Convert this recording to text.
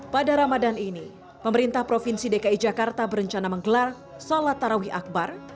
pada ramadan ini pemerintah provinsi dki jakarta berencana menggelar sholat tarawih akbar